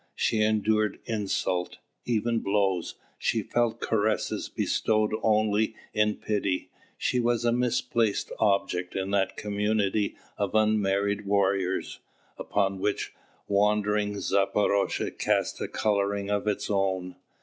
She endured insult, even blows; she felt caresses bestowed only in pity; she was a misplaced object in that community of unmarried warriors, upon which wandering Zaporozhe cast a colouring of its own.